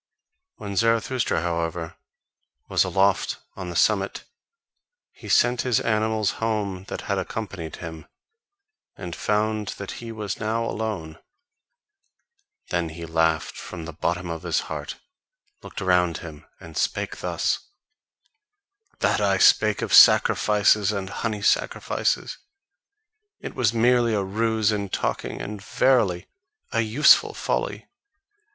When Zarathustra, however, was aloft on the summit, he sent his animals home that had accompanied him, and found that he was now alone: then he laughed from the bottom of his heart, looked around him, and spake thus: That I spake of sacrifices and honey sacrifices, it was merely a ruse in talking and verily, a useful folly!